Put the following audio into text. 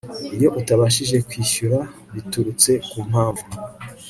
Iyo utabashije kwishyura biturutse ku mpamvu